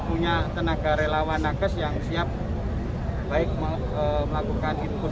punya tenaga relawan nakes yang siap baik melakukan input